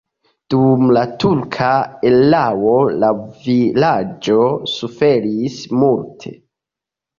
Dum la turka erao la vilaĝo suferis multe.